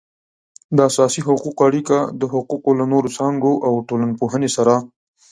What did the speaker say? د اساسي حقوقو اړیکه د حقوقو له نورو څانګو او ټولنپوهنې سره